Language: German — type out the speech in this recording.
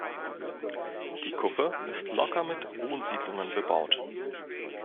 Die Kuppe ist locker mit Wohnsiedlungen bebaut.